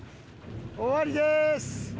終わりでーす！